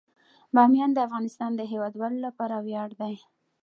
بامیان د افغانستان د هیوادوالو لپاره ویاړ دی.